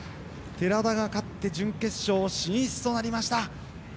寺田が勝って準決勝進出となりました。